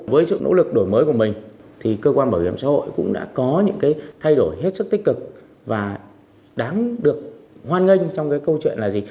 với sự nỗ lực đổi mới của mình thì cơ quan bảo hiểm xã hội cũng đã có những cái thay đổi hết sức tích cực và đáng được hoan nghênh trong cái câu chuyện là gì